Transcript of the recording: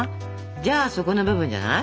じゃあ底の部分じゃない？